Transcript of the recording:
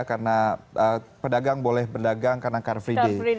karena pedagang boleh berdagang karena car free day